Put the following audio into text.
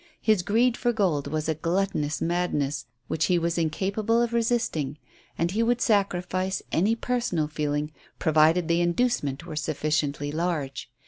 His greed for gold was a gluttonous madness which he was incapable of resisting, and he would sacrifice any personal feeling provided the inducement were sufficiently large.